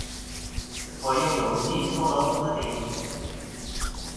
我用郵寄送了物資給你